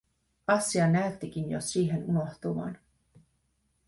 Asia näyttikin jo siihen unohtuvan.